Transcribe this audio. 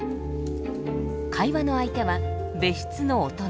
会話の相手は別室の大人。